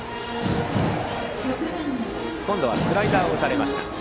今度はスライダーを打たれました。